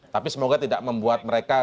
tapi semoga tidak membuat mereka